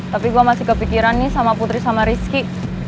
tapi gue masih kepikiran nih sama putri sama rizky